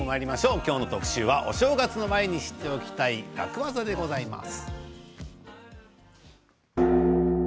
今日の特集はお正月の前に知っておきたい楽ワザでございます。